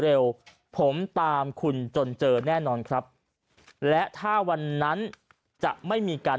เร็วผมตามคุณจนเจอแน่นอนครับและถ้าวันนั้นจะไม่มีการ